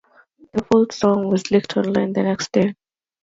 The full song was leaked online the next day.